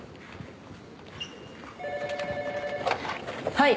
はい。